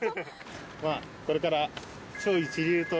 まぁこれから。